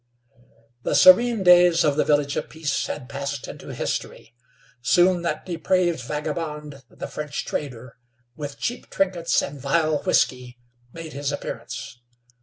The serene days of the Village of Peace had passed into history. Soon that depraved vagabond, the French trader, with cheap trinkets and vile whisky, made his appearance.